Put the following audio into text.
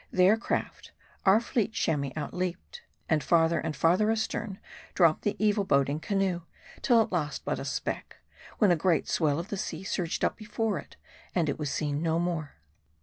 Their craft, our fleet Chamois outleaped. And farther and farther astern dropped the evil boding canoe, till at last but a speck ; when a great swell of the sea surged up before it, and it was seen no more.